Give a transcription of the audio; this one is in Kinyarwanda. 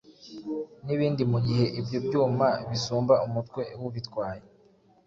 béton) n’ibindi mu gihe ibyo byuma bisumba umutwe w’ubitwaye.